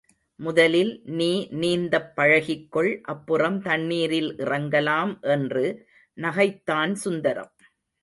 முதலில் நீ நீந்தப் பழகிக்கொள் அப்புறம் தண்ணீரில் இறங்கலாம் என்று நகைத்தான் சுந்தரம்.